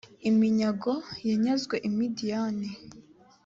iminyago yanyazwe i midiyani